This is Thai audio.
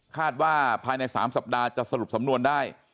คาดว่าภายใน๓สัปดาห์จะสรุปสำนวนได้